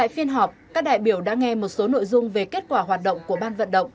phiên họp các đại biểu đã nghe một số nội dung về kết quả hoạt động của ban vận động